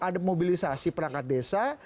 di mobilisasi perangkat desa